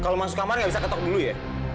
kalau masuk kamar gak bisa ketok dulu ya